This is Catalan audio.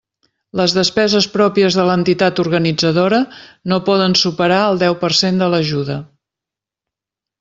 Les despeses pròpies de l'entitat organitzadora no poden superar el deu per cent de l'ajuda.